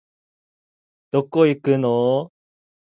どこ行くのお